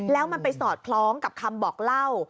แล้วมันไปสอดคล้องกับคำบอกเล่า